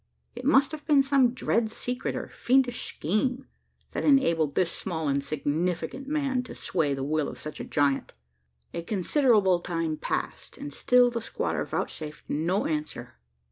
It must have been some dread secret, or fiendish scheme, that enabled this small insignificant man to sway the will of such a giant! A considerable time passed, and still the squatter vouchsafed no answer.